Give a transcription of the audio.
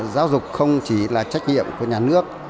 giáo dục không chỉ là trách nhiệm của nhà nước